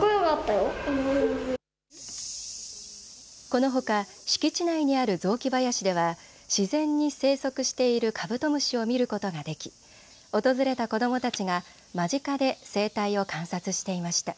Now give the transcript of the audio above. このほか敷地内にある雑木林では自然に生息しているカブトムシを見ることができ訪れた子どもたちが間近で生態を観察していました。